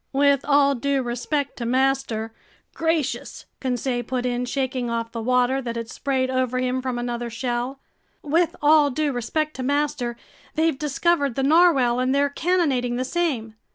"With all due respect to master—gracious!" Conseil put in, shaking off the water that had sprayed over him from another shell. "With all due respect to master, they've discovered the narwhale and they're cannonading the same."